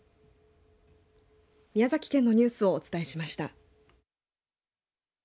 宮崎県のニュースをお伝えしました。